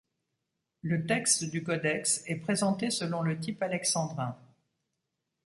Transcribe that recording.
Le texte du codex est présenté selon le type alexandrin.